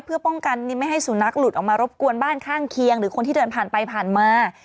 เพื่อป้องกันไม่ให้สุนัขหลุดออกมารบกวนบ้านข้างเคียงหรือคนที่เดินผ่านไปผ่านมา